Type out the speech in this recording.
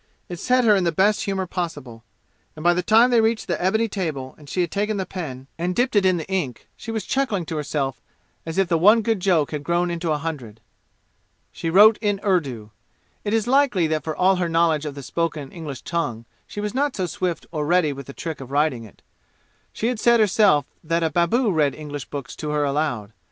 It set her in the best humor possible, and by the time they reached the ebony table and she had taken the pen and dipped it in the ink, she was chuckling to herself as if the one good joke had grown into a hundred. She wrote in Urdu. It is likely that for all her knowledge of the spoken English tongue she was not so swift or ready with the trick of writing it. She had said herself that a babu read English books to her aloud.